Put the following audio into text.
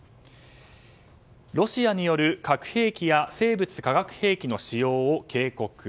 ロシアによる核兵器や生物・化学兵器の使用を警告。